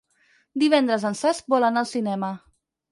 Divendres en Cesc vol anar al cinema.